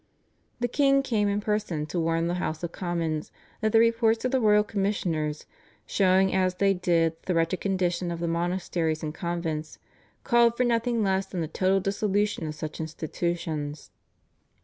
The king came in person to warn the House of Commons that the reports of the royal commissioners, showing as they did the wretched condition of the monasteries and convents called for nothing less than the total dissolution of such institutions.